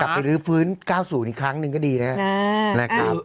ไปรื้อฟื้น๙๐อีกครั้งหนึ่งก็ดีนะครับ